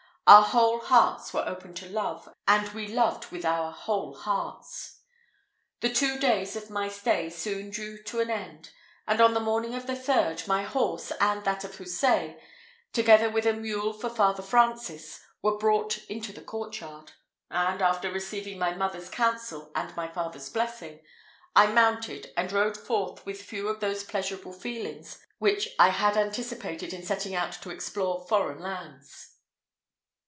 Our whole hearts were open to love, and we loved with our whole hearts. The two days of my stay soon drew to an end, and on the morning of the third, my horse, and that of Houssaye, together with a mule for Father Francis, were brought into the courtyard; and, after receiving my mother's counsel and my father's blessing, I mounted and rode forth with few of those pleasurable feelings which I had anticipated in setting out to explore foreign lands.